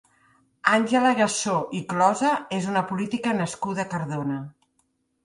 Àngela Gassó i Closa és una política nascuda a Cardona.